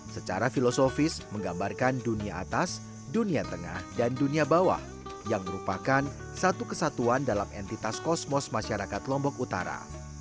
secara filosofis menggambarkan dunia atas dunia tengah dan dunia bawah yang merupakan satu kesatuan dalam entitas kosmos masyarakat lombok utara